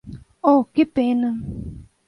Oh, que pena!